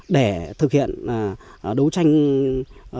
để thực hiện đấu tranh triệt phá vụ án này một cách thành công và có hiệu quả